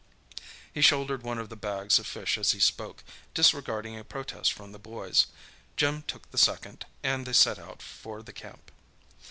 He shouldered one of the bags of fish as he spoke, disregarding a protest from the boys. Jim took the second, and they set out for the camp.